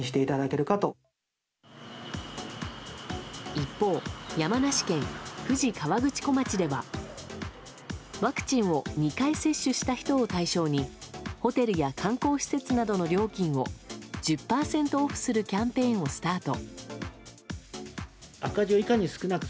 一方、山梨県富士河口湖町ではワクチンを２回接種した人を対象にホテルや観光施設などの料金を１０％オフするキャンペーンをスタート。